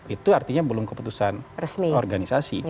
itu artinya belum keputusan organisasi